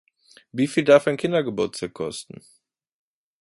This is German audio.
Wie viel darf ein Kindergeburtstag kosten?